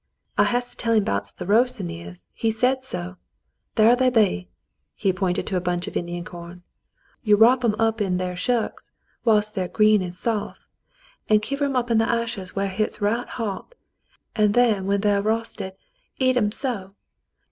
"I has to tell him 'bouts th' ros'n ears — he said so. Thar they be." He pointed to a bunch of Indian corn. "You wrop 'em up in ther shucks, whilst ther green an' sof, and kiver 'em up in th' ashes whar hit's right hot, and then when ther rosted, eat 'em so.